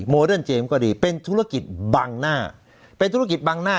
โมเดิร์นเจมส์ก็ดีเป็นธุรกิจบังหน้าเป็นธุรกิจบังหน้า